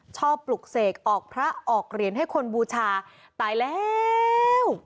ปลุกเสกออกพระออกเหรียญให้คนบูชาตายแล้ว